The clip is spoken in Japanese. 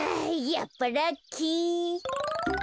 やっぱラッキー！